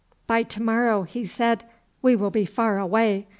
"By to morrow," he said, "we will be far away.